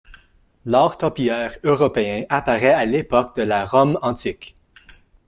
L'art topiaire européen apparaît à l'époque de la Rome antique.